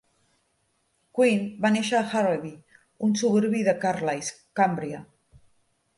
Quinn va néixer a Harraby, un suburbi de Carlisle, Cumbria.